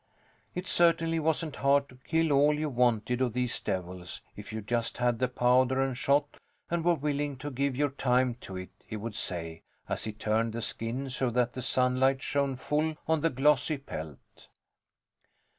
It certainly wasn't hard to kill all you wanted of these devils, if you just had the powder and shot and were willing to give your time to it, he would say, as he turned the skin so that the sunlight shone full on the glossy pelt.